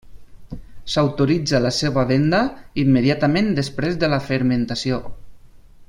S'autoritza la seva venda immediatament després de la fermentació.